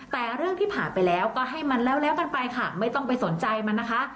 แต่เรื่องที่ผ่านไปแล้วก็ให้มันแล้วกันไปค่ะไม่ต้องไปสนใจมันนะคะ